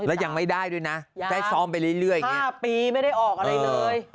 แล้วยังไม่ได้ด้วยนะได้ซ้อมไปเรื่อยอย่างนี้๕ปีไม่ได้ออกอะไรเลย